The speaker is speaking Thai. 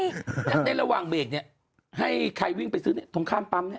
อย่างนั้นระหว่างเมฆนี่ให้ใครวิ่งไปซื้อถุงข้ามปั๊มนี่